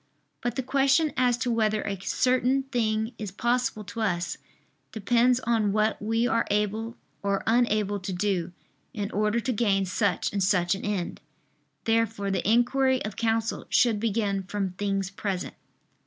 But the question as to whether a certain thing is possible to us, depends on what we are able or unable to do, in order to gain such and such an end. Therefore the inquiry of counsel should begin from things present.